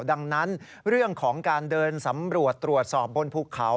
ดังนั้นเรื่องของการเดินสำรวจตรวจสอบบนภูเขา